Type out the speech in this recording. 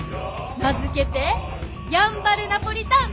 名付けてやんばるナポリタン！